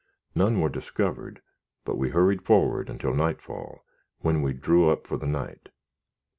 None were discovered, but we hurried forward until nightfall, when we drew up for the night.